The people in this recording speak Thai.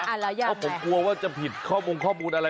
เพราะผมกลัวว่าจะผิดข้อมงข้อมูลอะไร